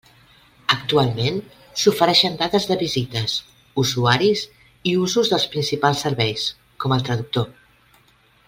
Actualment s'ofereixen dades de visites, usuaris i usos dels principals serveis, com el traductor.